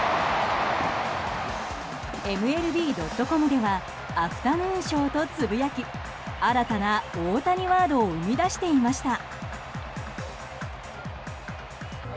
ＭＬＢ．ｃｏｍではアフタヌーンショーとつぶやき新たな大谷ワードを生み出していました。